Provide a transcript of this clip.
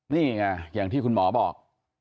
นี่ไงอย่างที่คุณหมอบอก